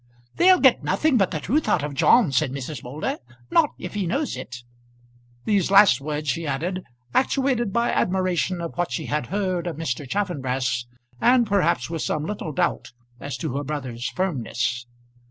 "They'll get nothing but the truth out of John," said Mrs. Moulder; "not if he knows it." These last words she added, actuated by admiration of what she had heard of Mr. Chaffanbrass, and perhaps with some little doubt as to her brother's firmness.